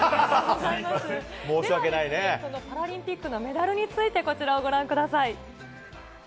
パラリンピックのメダルについて、こちらをご覧ください。